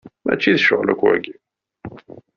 Mačči d ccɣel akk wagi.